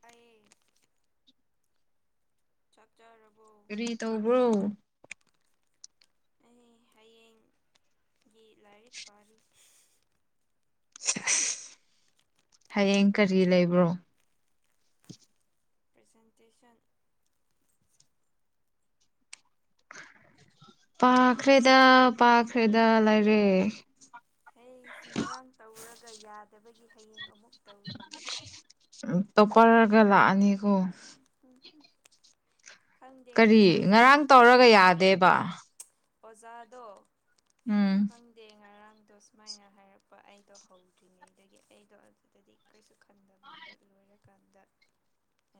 ꯇꯥꯏꯌꯦ ꯆꯥꯛ ꯆꯥꯔꯕꯣ ꯀꯔꯤ ꯇꯧꯕ꯭ꯔꯣ ꯑꯩ ꯍꯌꯦꯡꯒꯤ ꯂꯥꯏꯔꯤꯛ ꯄꯥꯔꯤ ꯁꯦꯁ ꯍꯌꯦꯡ ꯀꯔꯤ ꯂꯩꯕ꯭ꯔꯣ ꯄ꯭ꯔꯖꯦꯟꯇꯦꯁꯟ ꯄꯥꯈ꯭ꯔꯦꯗ ꯄꯥꯈ꯭ꯔꯦꯗ ꯂꯥꯏꯔꯤꯛ ꯍꯩꯁ ꯉꯔꯥꯡ ꯇꯧꯔꯒ ꯌꯥꯗꯕꯒꯤ ꯍꯌꯦꯡ ꯑꯃꯨꯛ ꯇꯧꯔꯤꯅꯦ ꯎꯝ ꯇꯣꯞꯄꯔꯒ ꯂꯥꯛꯑꯅꯤꯀꯣ ꯎꯝ ꯎꯝ ꯈꯪꯗꯦ ꯀꯔꯤ ꯉꯔꯥꯡꯗꯣ ꯉꯔꯥꯡ ꯇꯧꯔꯒ ꯌꯥꯗꯦꯕ ꯑꯣꯖꯥꯗꯣ ꯎꯝ ꯈꯪꯗꯦ ꯉꯔꯥꯡꯗꯣ ꯁꯨꯃꯥꯏꯅ ꯍꯥꯏꯔꯛꯄ ꯑꯩꯗꯣ ꯍꯧꯗ꯭ꯔꯤꯉꯩꯗꯒꯤ ꯑꯩꯗꯣ ꯑꯗꯨꯗꯗꯤ ꯀꯔꯤꯁꯨ ꯈꯟꯗꯕꯅꯦ [unintelligible] ꯂꯣꯏꯔꯀꯥꯟꯗ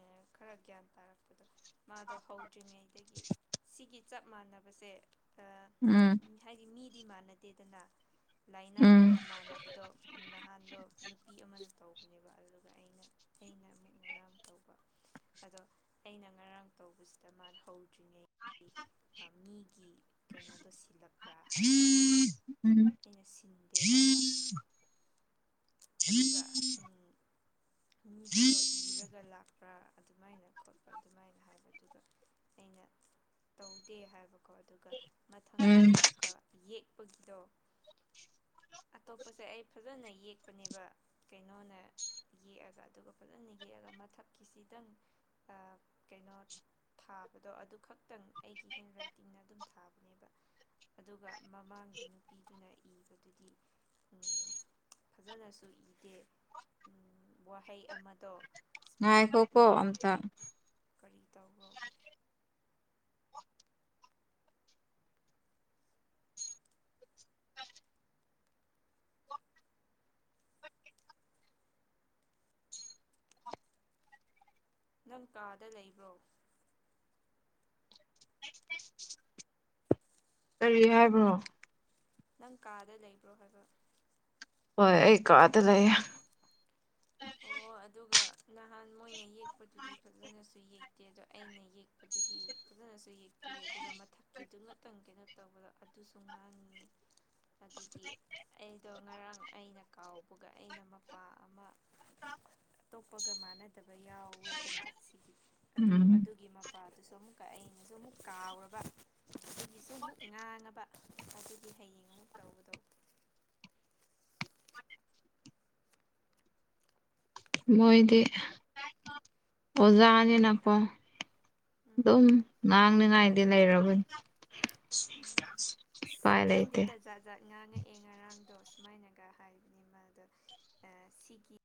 ꯑꯥ ꯈꯔ ꯒ꯭ꯌꯥꯟ ꯇꯥꯔꯛꯄꯗꯣ ꯃꯥꯗꯣ ꯍꯧꯗ꯭ꯔꯤꯉꯩꯗꯒꯤ ꯁꯤꯒꯤ ꯆꯞ ꯃꯥꯟꯅꯕꯁꯦ ꯑꯥ ꯎꯝ ꯍꯥꯏꯗꯤ ꯃꯤꯗꯤ ꯃꯥꯟꯅꯗꯦꯗꯅ ꯎꯝ ꯂꯥꯏꯅꯥꯗꯣ ꯃꯥꯟꯅꯕꯗꯣ ꯅꯍꯥꯟꯗꯣ ꯅꯨꯄꯤ ꯑꯃꯅ ꯇꯧ ꯅꯦꯕ ꯑꯗꯨꯒ ꯑꯩꯅ ꯑꯩꯅ ꯑꯃꯨꯛ ꯉꯔꯥꯡ ꯇꯧꯕ ꯑꯗꯣ ꯑꯩꯅ ꯉꯔꯥꯡ ꯇꯧꯕꯁꯤꯗ ꯃꯥꯅ ꯍꯧꯗ꯭ꯔꯤꯉꯩꯒꯤ ꯑꯥ ꯃꯤꯒꯤ ꯀꯩꯅꯣꯗꯣ ꯁꯤꯜꯂꯛꯄ꯭ꯔꯥ ꯍꯥꯏꯌꯦ ꯑꯩꯅ ꯎꯝ ꯑꯩꯅ ꯁꯤꯟꯗꯦ ꯍꯥꯏꯕ ꯑꯗꯨꯒ ꯎꯝ ꯃꯤꯒꯤꯗꯣ ꯏꯔꯒ ꯂꯥꯛ ꯄꯨꯔꯥ ꯑꯗꯨꯃꯥꯏꯅ ꯈꯣꯠꯄ ꯑꯗꯨꯃꯥꯏꯅ ꯍꯥꯏꯕ ꯑꯗꯨꯒ ꯑꯩꯅ ꯇꯧꯗꯦ ꯍꯥꯏꯕ ꯀꯣ ꯑꯗꯨꯒ ꯃꯊꯪꯗ ꯎꯝ ꯑꯃꯨꯛꯀ ꯌꯦꯛꯄꯒꯤꯗꯣ ꯑꯇꯣꯞꯄꯁꯦ ꯑꯩ ꯐꯖꯅ ꯌꯦꯛꯄꯅꯦꯕ ꯀꯩꯅꯣꯅ ꯌꯦꯛꯑꯒ ꯑꯗꯨꯒ ꯐꯖꯅ ꯌꯦꯛꯑꯒ ꯃꯊꯛꯀꯤꯁꯤꯗꯪ ꯑꯥ ꯀꯩꯅꯣ ꯊꯥꯕꯗꯣ ꯑꯗꯨꯈꯛꯇꯪ ꯑꯩꯒꯤ ꯍꯦꯟ ꯔꯥꯏꯠꯇꯤꯡꯅ ꯑꯗꯨꯝ ꯊꯥꯕ ꯅꯦꯕ ꯑꯗꯨꯒ ꯃꯃꯥꯡꯒꯤ ꯅꯨꯄꯤꯗꯨꯅ ꯏꯕꯗꯨꯗꯤ ꯎꯝ ꯐꯖꯅꯁꯨ ꯏꯗꯦ ꯎꯝ ꯋꯥꯍꯩ ꯑꯃꯗꯣ ꯉꯥꯏꯈꯣꯀꯣ ꯑꯃꯇ ꯀꯔꯤ ꯇꯧꯕ꯭ꯔꯣ ꯅꯪ ꯀꯥꯗ ꯂꯩꯕ꯭ꯔꯣ ꯀꯔꯤ ꯍꯥꯏꯕꯅꯣ ꯅꯪ ꯀꯥꯗ ꯂꯩꯕ꯭ꯔꯣ ꯍꯥꯏꯕ ꯍꯣꯏ ꯑꯩ ꯀꯥꯗ ꯂꯩꯌꯦ ꯑꯣ ꯑꯗꯨꯒ ꯅꯍꯥꯟ ꯃꯣꯏꯅ ꯌꯦꯛꯄꯗꯨꯗꯤ ꯐꯖꯅꯁꯨ ꯌꯦꯛꯇꯦ ꯑꯗꯣ ꯑꯩꯅ ꯌꯦꯛꯄꯗꯨꯗꯤ ꯐꯖꯅꯁꯨ ꯌꯦꯛꯄꯤꯔꯦ ꯑꯗꯨꯒ ꯃꯊꯛꯀꯤꯗꯨꯒꯤꯇꯪ ꯀꯩꯅꯣ ꯇꯧꯕꯗ ꯑꯗꯨꯁꯨ ꯉꯥꯡꯉꯤ ꯑꯗꯨꯒꯤ ꯑꯩꯗꯣ ꯉꯔꯥꯡ ꯑꯩꯅ ꯀꯥꯎꯕꯒ ꯑꯩꯅ ꯃꯄꯥ ꯑꯃ ꯑꯇꯣꯞꯄꯒ ꯃꯥꯟꯅꯗꯕ ꯌꯥꯎꯋꯦꯗꯅ ꯁꯤꯒꯤ ꯑꯗꯨ ꯎꯝ ꯑꯗꯨꯒꯤ ꯃꯄꯥ ꯃꯄꯥꯗꯨꯁꯨ ꯑꯃꯨꯛꯀ ꯑꯩꯅꯖꯨ ꯑꯃꯨꯛ ꯀꯥꯎꯔꯕ ꯑꯗꯨꯒꯤꯁꯨ ꯑꯃꯨꯛ ꯉꯥꯡꯉꯕ ꯑꯗꯨꯒꯤ ꯍꯌꯦꯡ ꯑꯃꯨꯛ ꯇꯧꯕꯗꯣ ꯃꯣꯏꯗꯤ ꯑꯣꯖꯥꯅꯤꯅꯀꯣ ꯎꯝ ꯑꯗꯨꯝ ꯉꯥꯡꯅꯤꯡꯉꯥꯏꯗꯤ ꯂꯩꯔꯕꯅꯤ ꯎꯝ ꯑꯁ ꯎꯄꯥꯏ ꯂꯩꯇꯦ ꯈꯪꯗꯦꯗ ꯖꯥꯠ ꯖꯥꯠ ꯉꯥꯡꯉꯛꯑꯦ ꯉꯔꯥꯡꯗꯣ ꯁꯨꯃꯥꯏꯅꯒ ꯍꯥꯏꯕꯅꯤ ꯃꯥꯗꯣ ꯑꯥ ꯁꯤꯒꯤ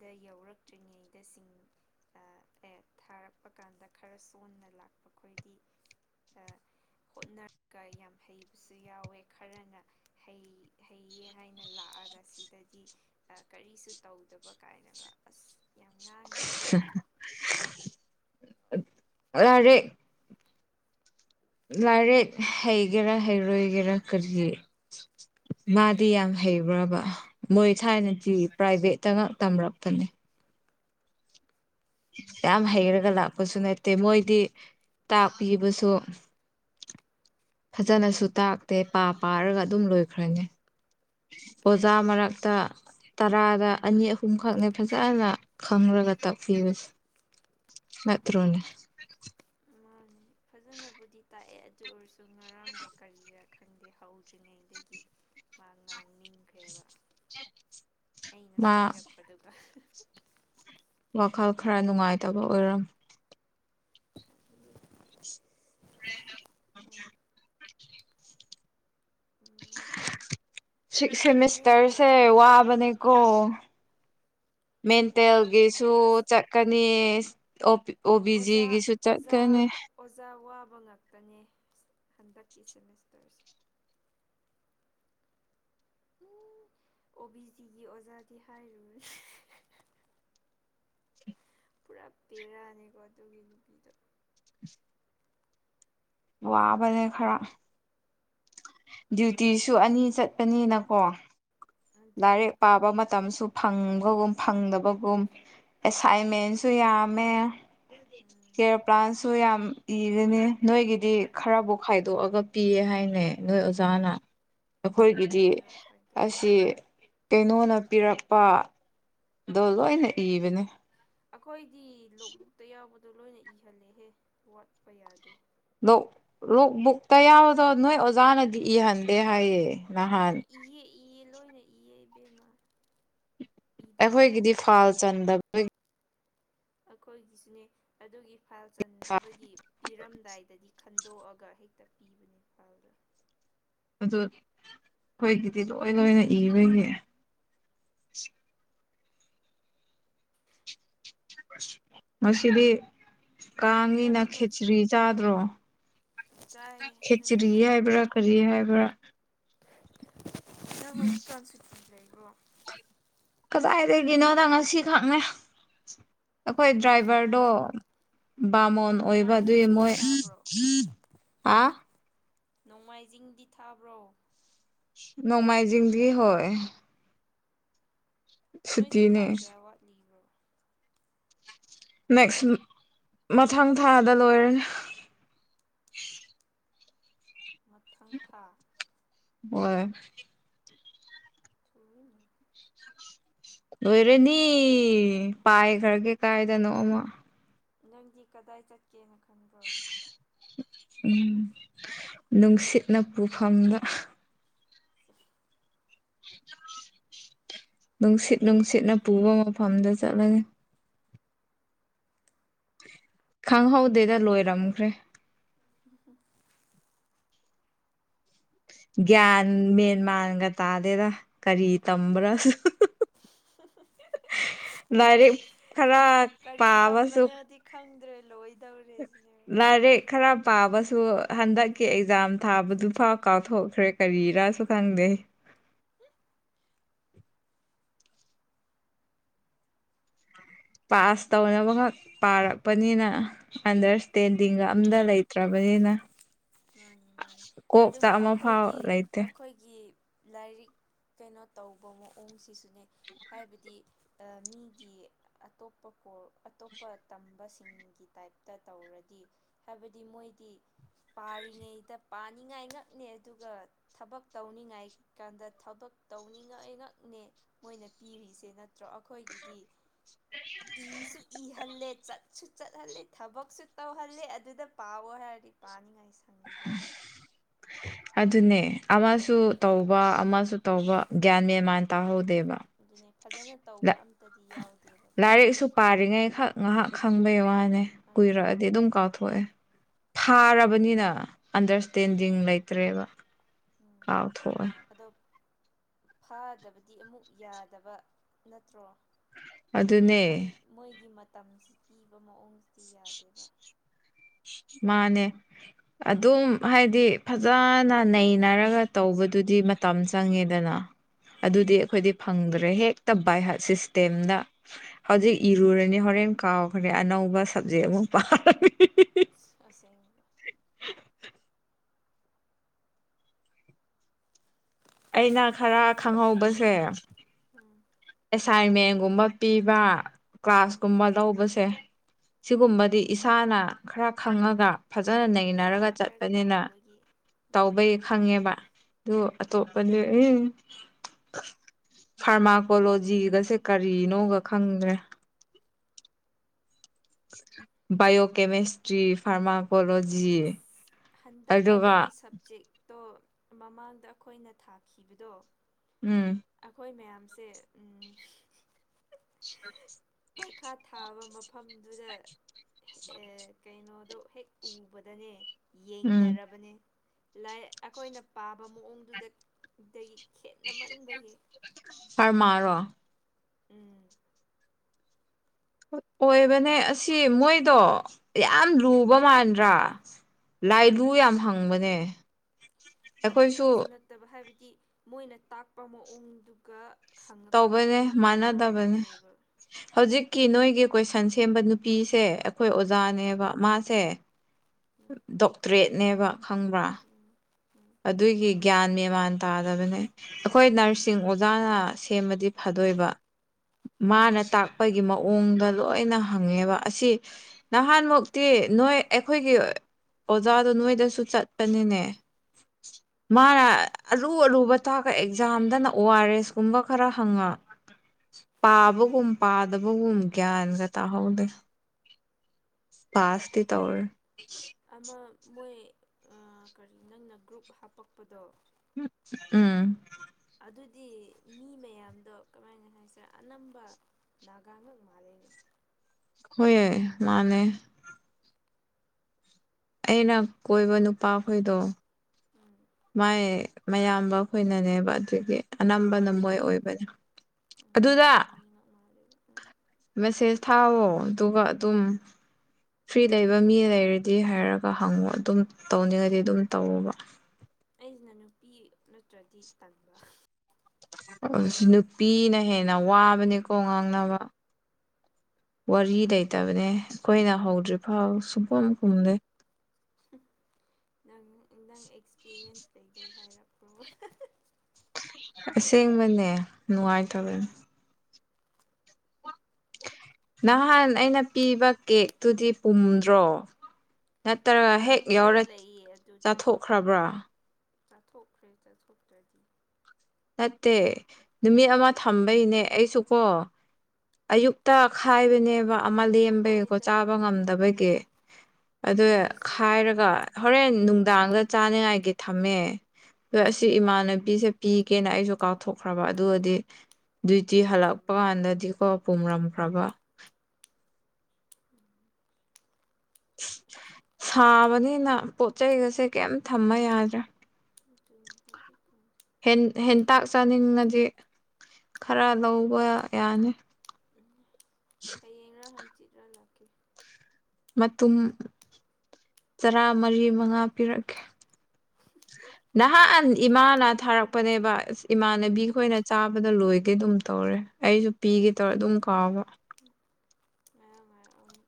ꯗ ꯌꯧꯔꯛꯇ꯭ꯔꯤꯉꯩꯗ ꯁꯤꯡ ꯑꯥ ꯑꯦ ꯊꯥꯔꯛꯄ ꯀꯥꯟꯗ ꯈꯔ ꯁꯣꯟꯅ ꯂꯥꯛꯄ ꯈꯣꯏꯗꯤ ꯑꯥ ꯍꯣꯠꯅ ꯀꯥ ꯌꯥꯝ ꯍꯩꯕꯁꯨ ꯌꯥꯎꯋꯦ ꯈꯔꯅ ꯍꯩ ꯍꯩꯌꯦ ꯍꯥꯏꯅ ꯂꯥꯛꯑꯒ ꯁꯤꯗꯗꯤ ꯑꯥ ꯀꯔꯤꯁꯨ ꯇꯧꯗꯕ ꯀꯥꯏꯅꯒ ꯑꯁ ꯌꯥꯝ ꯉꯥꯡꯕꯅꯦ ꯉꯔꯥꯡ ꯂꯥꯏꯔꯤꯛ ꯂꯥꯏꯔꯤꯛ ꯍꯩꯒꯦꯔꯥ ꯍꯩꯔꯣꯏꯒꯦꯔꯥ ꯀꯔꯤ ꯃꯥꯗꯤ ꯌꯥꯝ ꯍꯩꯕ꯭ꯔꯕ ꯃꯣꯏ ꯊꯥꯏꯅꯗꯤ ꯄ꯭ꯔꯥꯏꯚꯦꯠꯇꯒ ꯇꯝꯂꯛꯄꯅꯦ ꯌꯥꯝ ꯍꯩꯔꯒ ꯀꯗꯥꯏꯗꯒꯤ ꯂꯥꯛꯄꯁꯨ ꯇꯝꯃꯛ ꯅꯠꯇꯦ ꯃꯣꯏꯗꯤ ꯇꯥꯛꯄꯤꯕꯁꯨ ꯐꯖꯅꯁꯨ ꯇꯥꯛꯇꯦ ꯄꯥ ꯄꯥꯔꯒ ꯑꯗꯨꯝ ꯂꯣꯏꯈ꯭ꯔꯅꯤ ꯑꯣꯖꯥ ꯃꯔꯛꯇ ꯇꯔꯥꯒ ꯑꯅꯤ ꯑꯍꯨꯝꯈꯛꯅꯦ ꯐꯖꯅ ꯈꯪꯔꯒ ꯇꯥꯛꯄꯤꯕꯁꯦ ꯅꯠꯇ꯭ꯔꯣꯅꯦ ꯃꯥꯅꯦ ꯐꯖꯅꯕꯨꯗꯤ ꯇꯥꯛꯑꯦ ꯑꯗꯨ ꯑꯣꯏꯔꯁꯨ ꯉꯔꯥꯡꯗꯣ ꯀꯔꯤꯔ ꯈꯪꯗꯦ ꯍꯧꯗ꯭ꯔꯤꯉꯩꯗꯒꯤ ꯃꯥ ꯉꯥꯡꯅꯤꯡꯈ꯭ꯔꯦꯕ [inaudible] ꯑꯩꯅ ꯃꯥ ꯁꯣꯏꯔꯛꯄꯗꯨꯒ ꯋꯥꯈꯜ ꯈꯔ ꯅꯨꯡꯉꯥꯏꯇꯕ ꯑꯣꯏꯔꯝ ꯎꯝ [inaudible] ꯁꯤꯛꯁ ꯅꯣꯏ ꯁꯦꯃꯤꯁꯇ꯭ꯔꯁꯦ ꯀꯔꯤ ꯋꯥꯕꯅꯦꯀꯣ ꯋꯥꯏꯑꯦ ꯃꯦꯟꯇꯦꯜꯒꯤꯁꯨ ꯋꯥꯏꯑꯦ ꯑꯁ ꯆꯠꯀꯅꯤ ꯑꯣ ꯄꯤ ꯑꯣ ꯕꯤ ꯑꯣꯖꯥ ꯖꯤꯒꯤꯁꯨ ꯆꯠꯀꯅꯤ ꯑꯣꯖꯥ ꯑꯣꯖꯥ ꯋꯥꯕ ꯉꯥꯛꯇꯅꯦ ꯍꯟꯗꯛꯀꯤ ꯁꯦꯃꯤꯁꯇꯔꯁꯦ ꯎꯝ ꯑꯣꯕꯤꯖꯤ ꯒꯤ ꯑꯣꯖꯥꯗꯤ ꯍꯥꯏꯔꯨ ꯄꯨꯔꯥ ꯕꯦꯔꯥꯅꯤꯀꯣ ꯑꯗꯨꯒꯤ ꯅꯨꯄꯤꯗꯣ ꯋꯥꯕꯅꯦ ꯈꯔ ꯗ꯭ꯌꯨꯇꯤꯁꯨ ꯑꯅꯤ ꯆꯠꯄꯅꯤꯅꯀꯣ ꯂꯥꯏꯔꯤꯛ ꯑꯗꯨꯅꯤ ꯄꯥꯕ ꯃꯇꯝꯁꯨ ꯐꯪꯕꯒꯨꯝ ꯐꯪꯗꯕꯒꯨꯝ ꯑꯦꯁꯥꯏꯟꯃꯦꯟꯁꯨ ꯌꯥꯝꯃꯦ ꯎꯝ ꯀꯦꯌꯔ ꯄ꯭ꯂꯥꯟꯁꯨ ꯌꯥꯝ ꯏꯔꯦꯅꯦ ꯅꯣꯏꯒꯤꯗꯤ ꯑꯗꯨꯅꯤ ꯈꯔꯕꯨ ꯈꯥꯏ ꯈꯥꯏꯗꯣꯛꯑꯒ ꯄꯤꯌꯦ ꯍꯥꯏꯅꯦ ꯅꯣꯏ ꯑꯣꯖꯥꯅ ꯑꯈꯣꯏꯒꯤꯗꯤ ꯀꯔꯤꯔꯣ ꯈꯥꯏꯗꯣꯛ ꯑꯁꯤ ꯀꯩꯅꯣꯅ ꯄꯤꯔꯛꯄ ꯗꯣ ꯂꯣꯏꯅ ꯏꯕꯅꯦ ꯑꯈꯣꯏꯗꯤ ꯅꯣꯠꯕꯨꯛꯇ ꯌꯥꯎꯕꯗꯣ ꯂꯣꯏꯅ ꯏꯍꯜꯂꯦꯍꯦ ꯋꯥꯠꯄ ꯌꯥꯗꯦ ꯅꯣꯠꯕꯨꯛꯇ ꯌꯥꯎꯕꯗꯣ ꯅꯣꯏ ꯑꯣꯖꯥꯅꯗꯤ ꯏꯍꯟꯗꯦ ꯍꯥꯏꯌꯦ ꯎꯝ ꯅꯍꯥꯟ ꯏꯌꯦ ꯏꯌꯦ ꯂꯣꯏꯅ ꯏꯌꯦ ꯏꯕꯦꯃꯥ ꯑꯩꯈꯣꯏꯒꯤꯗꯤ ꯐꯥꯜ ꯆꯟꯗꯕꯩ ꯑꯈꯣꯏꯒꯤ ꯁꯨꯅꯦ ꯑꯗꯨꯒꯤ ꯐꯥꯏꯜ ꯆꯟꯗꯕꯒꯤ ꯄꯤꯔꯝ ꯗꯥꯏꯗꯗꯤ ꯈꯟ ꯗ‌ꯣꯑꯒ ꯍꯦꯛꯇ ꯄꯤꯕꯅꯦ ꯐꯥꯏꯜꯗꯣ ꯑꯗꯨ ꯈꯣꯏꯒꯤꯗꯤ ꯂꯣꯏ ꯂꯣꯏꯅ ꯏꯕꯒꯤ ꯉꯁꯤꯗꯤ ꯅꯪ ꯀꯥꯡꯅꯤꯅ ꯍꯧꯖꯤꯛ ꯈꯦꯆ꯭ꯔꯤ ꯆꯥꯗ꯭ꯔꯣ ꯆꯥꯏꯌꯦ ꯅꯪꯗꯤ ꯈꯦꯆ꯭ꯔꯤ ꯆꯥꯕ꯭ꯔꯣ ꯍꯥꯏꯕ꯭ꯔꯥ ꯀꯔꯤ ꯍꯥꯏꯕ꯭ꯔꯥ ꯅꯪ ꯍꯧꯖꯤꯛꯀꯥꯟ ꯁꯨꯇꯤ ꯂꯩꯕ꯭ꯔꯣ ꯀꯖꯥꯏꯗꯒꯤꯅꯣꯗ ꯉꯁꯤꯈꯛꯅꯦ ꯑꯈꯣꯏ ꯗ꯭ꯔꯥꯏ ꯚꯔꯗꯣ ꯅꯣꯡꯃꯥꯏꯖꯤꯡ ꯕꯥꯃꯣꯟ ꯑꯣꯏꯕ ꯑꯗꯨꯏ ꯅꯣꯡꯃꯥꯏꯖꯤꯡꯗꯤ ꯃꯣꯏ ꯊꯥꯕ꯭ꯔꯣ ꯑꯥ ꯅꯣꯡꯃꯥꯏꯖꯤꯡꯗꯤ ꯊꯥꯕ꯭ꯔꯣ ꯅꯣꯡꯃꯥꯏꯖꯤꯡꯗꯤ ꯍꯣꯏ ꯅꯣꯏꯖ‌ꯦ ꯊꯥ ꯁꯨꯇꯤꯅꯦ ꯀꯌꯥ ꯋꯥꯠꯂꯤꯕꯔ‌ꯣ ꯅꯦꯛꯁ ꯃꯊꯪ ꯊꯥꯗ ꯂꯣꯏꯔꯅꯤ ꯃꯊꯪ ꯊꯥ ꯑꯣꯏ ꯀꯔꯤꯅꯣ ꯂꯣꯏꯔꯅꯤ ꯄꯥꯏꯈ꯭ꯔꯒꯦ ꯀꯥꯏꯗꯅꯣ ꯑꯃꯥ ꯅꯪꯗꯤ ꯀꯗꯥꯏ ꯆꯠꯀꯦꯅ ꯈꯟꯕ꯭ꯔꯣ ꯎꯝ ꯅꯨꯡꯁꯤꯠꯅ ꯄꯨꯐꯝꯗ [unintelligible] ꯅꯨꯡꯁꯤꯠ ꯅꯨꯡꯁꯤꯠꯅ ꯄꯨꯕ ꯃꯐꯝꯗ ꯆꯠꯂꯒꯦ ꯈꯪꯍꯧꯗꯦꯗ ꯂꯣꯏꯔꯝꯈ꯭ꯔꯦ [unintelligible] ꯒ꯭ꯌꯥꯟ ꯃꯦꯟ ꯃꯥꯟꯒ ꯇꯥꯗꯦꯗ ꯀꯔꯤ ꯇꯝꯕ꯭ꯔꯥ [unintelligible] ꯂꯥꯏꯔꯤꯛ ꯈꯔ ꯀꯔꯤ ꯄꯥꯕꯁꯨ ꯇꯝꯕꯅꯣꯗꯤ ꯈꯪꯗ꯭ꯔꯦ ꯂꯣꯏ ꯂꯥꯏꯔꯤꯛ ꯈꯔ ꯄꯥꯕꯁꯨ ꯍꯟꯗꯛꯀꯤ ꯑꯦꯖꯥꯝ ꯊꯥꯕꯗꯨ ꯐꯥꯎ ꯀꯥꯎꯊꯣꯛꯈ꯭ꯔꯦ ꯀꯔꯤꯔꯥꯁꯨ ꯈꯪꯗꯦ ꯄꯥꯁ ꯇꯧꯅꯕ ꯈꯛ ꯄꯥꯔꯛꯄꯅꯤꯅ ꯑꯟꯗꯔꯁ ꯇꯦꯟꯗꯤꯡꯒ ꯑꯝꯗ ꯂꯩꯇ꯭ꯔꯕꯅꯤꯅ ꯃꯥꯅꯤ ꯃꯥꯅꯤ ꯀꯣꯛꯇ ꯑꯗꯨꯒ ꯑꯃꯐꯥꯎ ꯑꯈꯣꯏꯒꯤ ꯂꯩꯇꯦ ꯑꯈꯣꯏꯒꯤ ꯂꯥꯏꯔꯤꯛ ꯀꯩꯅꯣ ꯇꯧꯕ ꯃꯑꯣꯡꯁꯤꯁꯨꯅꯦ ꯍꯥꯏꯕꯗꯤ ꯑ ꯃꯤꯒꯤ ꯑꯇꯣꯞꯄ ꯀꯣꯔ ꯑꯇꯣꯞꯄ ꯇꯝꯕꯁꯤꯡꯒꯤ ꯇꯥꯏꯞꯇ ꯇꯧꯔꯗꯤ ꯍꯥꯏꯕꯗꯤ ꯃꯣꯏꯗꯤ ꯄꯥꯔꯤꯉꯩꯗ ꯄꯥꯅꯤꯡꯉꯥꯏ ꯉꯛꯅꯦ ꯑꯗꯨꯒ ꯊꯕꯛ ꯇꯧꯅꯤꯉꯥꯏ ꯀꯥꯟꯗ ꯊꯕꯛ ꯇꯧꯅꯤꯡꯉꯥꯏ ꯉꯥꯛꯅꯦ ꯃꯣꯏꯅ ꯄꯤꯔꯤꯁꯦ ꯅꯠꯇ꯭ꯔꯣ ꯑꯈꯣꯏꯒꯤꯗꯤ ꯏꯁꯨ ꯏꯍꯜꯂꯦ ꯆꯠꯁꯨ ꯆꯠ ꯍꯜꯂ‌ꯦ ꯊꯕꯛꯁꯨ ꯇꯧꯍꯜꯂꯦ ꯑꯗꯨꯗ ꯄꯥꯋꯣ ꯍꯥꯏꯔꯗꯤ ꯄꯥꯅꯤꯡꯉꯥꯏꯁꯨ ꯑꯗꯨꯅꯦ ꯑꯃꯥꯁꯨ ꯇꯧꯕ ꯑꯃꯥ ꯖꯨ ꯇꯧꯕ ꯒ꯭ꯌꯥꯟ ꯑꯗꯨꯅꯦ ꯃꯦꯟ ꯃꯥꯟ ꯇꯥꯍꯧꯗꯦꯕ ꯑꯗꯨꯅꯦ ꯐꯖꯅ ꯇꯧꯕ ꯑꯝꯇꯗꯤ ꯌꯥꯎꯗꯦꯕ ꯑꯈꯣꯏꯅ ꯄꯔꯤꯉꯩ ꯈꯛ ꯉꯥꯏꯍꯥꯛ ꯈꯪꯕꯩ ꯋꯥꯅꯦ ꯀꯨꯏꯔꯛꯑꯗꯤ ꯑꯗꯨꯅꯦ ꯑꯗꯨꯝ ꯀꯥꯎꯊꯣꯛꯑꯦ ꯊꯥꯔꯕꯅꯤꯅ ꯑꯟꯗꯔꯁꯇꯦꯟꯗꯤꯡ ꯂꯩꯇ꯭ꯔꯦꯕ ꯎꯝ ꯀꯥꯎꯊꯣꯛꯑꯦ ꯑꯗꯣ ꯐꯥꯗꯕꯗꯤ ꯑꯃꯨꯛ ꯌꯥꯗꯕ ꯅꯠꯇ꯭ꯔꯣ ꯑꯗꯨꯅꯦ ꯃꯣꯏ ꯃꯣꯏꯒꯤ ꯃꯇꯝꯁꯤ ꯄꯤꯕ ꯃꯑꯣꯡꯁꯤꯗꯤ ꯌꯥꯗꯦꯕ ꯃꯥꯅꯦ ꯑꯗꯨꯝ ꯍꯥꯏꯗꯤ ꯐꯖꯅ ꯅꯩꯅꯔꯒ ꯇꯧꯕꯗꯨꯗꯤ ꯃꯇꯝ ꯆꯪꯉꯦꯗꯅ ꯑꯗꯨꯗꯤ ꯑꯗꯨꯅꯤ ꯑꯩꯈꯣꯏꯗꯤ ꯐꯪꯗꯔꯦ ꯍꯦꯛꯇ ꯕꯥꯏꯍꯠ ꯁꯤꯁꯇꯦꯝꯗ ꯍꯧꯖꯤꯛ ꯏꯔꯨꯔꯅꯤ ꯍꯣꯔꯦꯟ ꯀꯥꯎꯈ꯭ꯔꯦ ꯑꯅꯧꯕ ꯁꯕꯖꯦꯛ ꯑꯃꯨꯛ ꯄꯥꯔꯅꯤ ꯑꯁꯦꯡꯕ ꯑꯩꯅ ꯈꯔ ꯈꯪꯍꯧꯕꯁꯦ ꯎꯝ ꯑꯦꯁꯥꯏꯟꯃꯦꯟꯒꯨꯝꯕ ꯄꯤꯕ ꯀ꯭ꯂꯥꯁ ꯎꯝ ꯀꯨꯝꯕ ꯂꯧꯕꯁꯦ ꯁꯤꯒꯨꯝꯕꯗꯤ ꯏꯁꯥꯅ ꯈꯔ ꯈꯪꯉꯒ ꯎꯝ ꯐꯖꯅ ꯎꯝ ꯅꯩꯅꯔꯒ ꯏꯁꯥꯅ ꯈꯔ ꯆꯠꯄꯅꯦꯅ ꯇꯧꯕꯒꯤ ꯎꯝ ꯇꯧꯕꯩ ꯈꯪꯉꯦꯕ ꯑꯗꯨ ꯑꯇꯣꯞꯄꯗꯤ ꯏ ꯐꯥꯔꯃꯥꯀꯣꯂꯣꯖꯤꯒꯁꯦ ꯀꯔꯤꯅꯣꯒ ꯈꯪꯗ꯭ꯔꯦ ꯕꯥꯏꯌꯣ ꯀꯦꯃꯦꯁꯇ꯭ꯔꯤ ꯐꯥꯔꯃꯥꯀꯣꯂꯣꯖꯤ ꯏꯁ ꯍꯟꯗꯛ ꯑꯗꯨꯒ ꯑꯗꯨꯒꯤ ꯁꯕꯖꯦꯛꯇꯣ ꯃꯃꯥꯡꯗ ꯑꯩꯈꯣꯏꯅ ꯊꯥꯈꯤꯕꯗꯣ ꯎꯝ ꯑꯩꯈꯣꯏ ꯃꯌꯥꯝꯁꯦ ꯎꯝ [inaudible] ꯄꯔꯈꯥ ꯊꯥꯕ ꯃꯐꯝꯗꯨꯗ ꯍꯦꯑꯥ ꯀꯩꯅꯣꯗꯣ ꯍꯦꯛ ꯎꯕꯗꯅꯦ ꯎꯝ ꯌꯦꯡꯅꯔꯕꯅꯦ ꯂꯥꯏ ꯑꯩꯈꯣꯏꯅ ꯄꯥꯕ ꯃꯑꯣꯡꯗꯨꯗ ꯗꯒꯤ ꯈꯦꯠꯅꯃꯟꯕꯒꯤ ꯐꯔꯃꯥꯔꯣ ꯎꯝ ꯑꯣꯏꯕꯅꯦ ꯑꯁꯤ ꯃꯣꯏꯗꯣ ꯌꯥꯝ ꯂꯨꯕ ꯃꯥꯟꯗ꯭ꯔꯥ ꯂꯥꯏꯕꯨ ꯌꯥꯝ ꯍꯪꯕꯅꯦ ꯑꯩꯈꯣꯏꯁꯨ ꯑꯗꯨꯇꯪꯁꯨ ꯅꯠꯇꯕ ꯍꯥꯏꯕꯗꯤ ꯃꯣꯏꯅ ꯇꯥꯛꯄ ꯃꯑꯣꯡꯗꯨꯒ ꯈꯪꯉꯛꯄ ꯇꯧꯕꯅꯦ ꯃꯑꯣꯡꯗꯨꯒ ꯃꯥꯟꯅꯗꯕꯅꯦ ꯃꯥꯟꯅꯗ꯭ꯔꯦꯕ ꯍꯧꯖꯤꯛꯀꯤ ꯅꯣꯏꯒꯤ ꯀꯣꯏꯁꯟ ꯁꯦꯝꯕ ꯅꯨꯄꯤꯁꯦ ꯑꯩꯈꯣꯏ ꯎꯝ ꯑꯣꯖꯥꯅꯦꯕ ꯃꯥꯁꯦ ꯎꯝ ꯗꯣꯛꯇ꯭ꯔꯦꯠꯅꯦꯕ ꯈꯪꯕ꯭ꯔꯥ ꯎꯝ ꯎꯝ ꯑꯗꯨꯒꯤ ꯒ꯭ꯌꯥꯟ ꯃꯦꯃꯥꯟ ꯇꯥꯗꯕꯅꯦ ꯑꯩꯈꯣꯏ ꯅꯔꯁꯤꯡ ꯑꯣꯖꯥꯅ ꯁꯦꯝꯕꯗꯤ ꯐꯗꯣꯏꯕ ꯎꯝ ꯃꯥꯅ ꯇꯥꯛ ꯈꯣꯢꯒꯤ ꯃꯑꯣꯡꯗ ꯂꯣꯏꯅ ꯍꯪꯉꯦꯕ ꯑꯁꯤ ꯅꯍꯥꯟꯃꯨꯛꯇꯤ ꯅꯣꯏ ꯑꯩꯈꯣꯏꯒꯤ ꯑꯣꯖꯥꯗꯣ ꯅꯣꯏꯗꯁꯨ ꯆꯠꯄꯅꯤꯅꯦ [inaudible] ꯃꯥꯅ ꯑꯔꯨ ꯑꯔꯨꯕ ꯇꯥꯛꯑ ꯑꯦꯛꯖꯥꯝꯗꯅ ꯑꯣ ꯑꯥꯔ ꯑꯦꯁ ꯀꯨꯝꯕ ꯈꯔ ꯍꯪꯉꯛ [inaudible] ꯄꯥꯕꯒꯨꯝ ꯄꯥꯗꯕꯒꯨꯝ ꯒ꯭ꯌꯥꯟꯒ ꯇꯥꯍꯧꯗꯦ ꯄꯥꯁꯇꯤ ꯇꯧꯔꯦ ꯑꯃ ꯃꯣꯏ ꯑꯥ ꯀꯔꯤ ꯅꯪꯅ ꯒ꯭ꯔꯨꯞ ꯍꯥꯞꯄꯛꯄꯗꯣ ꯎꯝ ꯑꯗꯨꯗꯤ ꯃꯤ ꯃꯌꯥꯝꯗꯣ ꯀꯃꯥꯏꯅ ꯍꯥꯏꯁꯤꯔ ꯑꯅꯝꯕ ꯅꯥꯒꯥꯉꯛ ꯃꯥꯜꯂꯦꯅꯦ ꯍꯣꯏ ꯃꯥꯜꯂꯦ ꯑꯩꯅ ꯀꯣꯏꯕ ꯅꯨꯄꯥꯈꯣꯏꯗꯣ ꯎꯝ ꯃꯥꯏ ꯃꯌꯥꯝꯕꯈꯣꯏꯅꯅꯦꯕ ꯑꯗꯨꯒꯤ ꯑꯅꯝꯕꯅ ꯃꯣꯏ ꯑꯣ ꯑꯣꯏꯕꯅꯦ ꯎꯝ ꯑꯗꯨꯗ ꯃꯣꯏꯒꯤ ꯃꯤꯉꯛ ꯃꯥꯜꯂꯦꯕ ꯎꯝ ꯃꯦꯁꯦꯁ ꯊꯥꯎꯋꯣ ꯑꯗꯨꯒ ꯑꯗꯨꯝ ꯐ꯭ꯔꯤ ꯂꯩꯕ ꯃꯤ ꯂꯩꯔꯗꯤ ꯍꯥꯏꯔꯒ ꯍꯪꯉꯣ ꯑꯗꯨꯝ ꯇꯧꯅꯤꯡꯉꯗꯤ ꯑꯗꯨꯝ ꯇꯧꯋꯣꯕ ꯑꯩꯖꯤꯅ ꯅꯨꯄꯤ ꯅꯠꯇ꯭ꯔꯗꯤ ꯇꯟꯕ ꯑꯁ ꯅꯨꯄꯤꯅ ꯍꯦꯟꯅ ꯋꯥꯕꯅꯦꯀꯣ ꯉꯥꯡꯅꯕ ꯋꯥꯔꯤ ꯂꯩꯇꯕꯅꯦ ꯑꯩꯈꯣꯏꯅ ꯍꯧꯗ꯭ꯔꯤ ꯐꯥꯎ ꯁꯨꯡꯈꯨꯝ ꯈꯨꯝꯗꯦ ꯅꯪ ꯅꯪ ꯑꯦꯛꯁꯄꯤꯔꯤꯌꯦꯟꯁ ꯂꯩꯕꯩ ꯍꯥꯏꯔꯛꯄ꯭ꯔꯣ ꯑꯁꯦꯡꯕꯅꯦ ꯅꯨꯡꯉꯥꯏꯇꯕꯅꯦ ꯅꯍꯥꯟ ꯑꯩꯅ ꯄꯤꯕ ꯀꯦꯛꯇꯨꯗꯤ ꯄꯨꯝꯗ꯭ꯔꯣ ꯅꯠꯇ꯭ꯔ ꯃꯅꯝ ꯍꯦꯛ ꯈꯔ ꯌꯥꯎꯔ ꯂꯩꯌꯦ ꯑꯗꯨꯗꯣ ꯆꯥꯊꯣꯛꯈ꯭ꯔꯕ꯭ꯔꯥ ꯆꯥꯊꯣꯛꯈ꯭ꯔꯦ ꯆꯠꯊꯣꯛꯇ꯭ꯔꯗꯤ ꯅꯠꯇꯦ ꯅꯨꯃꯤꯠ ꯑꯃ ꯊꯝꯕꯩꯅꯦ ꯑꯩꯁꯨꯀꯣ ꯑꯌꯨꯛꯇ ꯈꯥꯏꯕꯅꯦꯕ ꯑꯃ ꯂꯦꯝꯕꯒꯤꯀꯣ ꯍꯣꯏꯗ ꯆꯥꯕ ꯉꯝꯗꯕꯒꯤ ꯑꯗꯨꯏ ꯐ꯭ꯔꯤꯖ ꯈꯥꯏꯔꯒ ꯂꯩꯇꯕꯅꯤꯅ ꯀꯔꯤ ꯍꯣꯔꯦꯟ ꯎꯄꯥꯏ ꯅꯨꯡꯗꯥꯡꯗ ꯆꯥꯅꯤꯉꯥꯏꯒꯤ ꯊꯝꯃꯦ ꯑꯗꯣ ꯑꯁꯤ ꯎꯝ ꯏꯃꯥꯟꯅꯕꯤꯁꯦ ꯄꯤ ꯀꯦꯅ ꯑꯩꯁꯨ ꯀꯥꯎꯊꯣꯛꯈ꯭ꯔꯕ ꯑꯗꯨꯒꯗꯤ ꯗ꯭ꯌꯏꯇꯤ ꯍꯜꯂꯛꯄ ꯄꯨꯝꯃꯝꯃꯦ ꯀꯥꯟꯗꯗꯤꯀꯣ ꯄꯨꯝꯔꯝ ꯈ꯭ꯔꯕ [inaudible] ꯁꯥꯕꯅꯤꯅ ꯄꯣꯠ ꯆꯩꯩꯒꯁꯦ ꯀꯩꯝ ꯊꯝꯕ ꯌꯥꯗ꯭ꯔꯦ ꯑꯗꯨꯕꯨꯗꯤꯀꯣ ꯍꯦꯟ ꯍꯦꯟꯇꯥꯛ ꯆꯥꯅꯤꯡꯅꯗꯤ ꯈꯔ ꯂꯧꯕ ꯌꯥꯅꯤ [unintelligible] ꯍꯌꯦꯡꯔ ꯍꯪꯆꯤꯠꯔ ꯂꯥꯛꯀꯦ ꯃꯇꯨꯝ ꯇꯔꯥ ꯃꯔꯤ ꯃꯉꯥ ꯄꯤꯔꯛꯀꯦ [unintelligible] ꯅꯍꯥꯟ ꯏꯃꯥꯅ ꯊꯥꯔꯛꯄꯅꯦꯕ ꯑꯁ ꯏꯃꯥꯟꯅꯕꯤ ꯎꯝ ꯈꯣꯏꯅ ꯆꯥꯕꯗ ꯂꯣꯏꯒꯦ ꯗꯨꯝ ꯇꯧꯔꯦ ꯑꯩꯁꯨ ꯄꯤꯒꯦ ꯇꯧꯔ ꯑꯗꯨꯝ ꯀꯥꯎꯕ ꯉꯔꯥꯡ ꯉꯔꯥꯡ